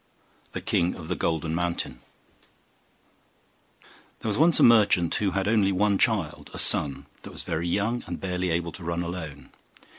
THE KING OF THE GOLDEN MOUNTAIN There was once a merchant who had only one child, a son, that was very young, and barely able to run alone.